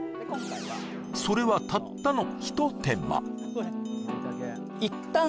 それはたったのひと手間